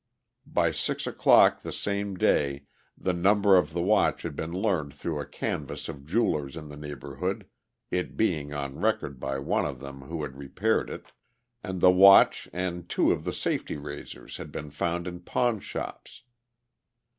By six o'clock the same day the number of the watch had been learned through a canvass of jewelers in the neighborhood, it being on record by one of them who had repaired it, and the watch and two of the safety razors had been found in pawnshops.